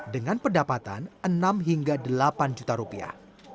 dengan pendapatan enam hingga delapan juta rupiah